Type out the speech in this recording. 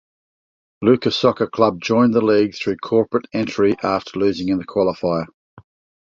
Luca Soccer Club joined the league through corporate entry after losing in the qualifier.